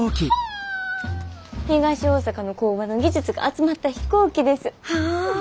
東大阪の工場の技術が集まった飛行機です。